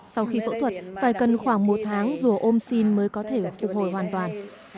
sau khi phẫu thuật phải cần khoảng một tháng rùa omsin mới có thể phục hồi hoàn toàn